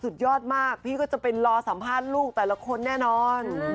สุดยอดมากพี่ก็จะเป็นรอสัมภาษณ์ลูกแต่ละคนแน่นอน